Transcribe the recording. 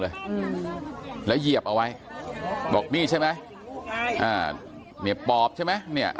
อืมแล้วเหยียบเอาไว้บอกนี่ใช่ไหมอ่าเนี่ยปอบใช่ไหมเนี่ย